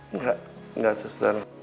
enggak enggak sesudah